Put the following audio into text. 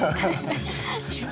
失礼しました。